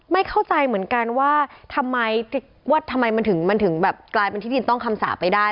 ไม่เข้าใจเหมือนกันว่าทำไมมันถึงกลายเป็นที่ดินต้องคำสาปไปได้